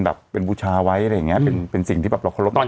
แบบเป็นบูชาไว้อะไรอย่างเงี้ยเป็นสิ่งที่แบบเราเคารพ